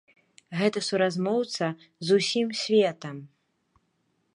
Гэта суразмоўца з усім светам.